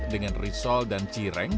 dengan risol dan cireng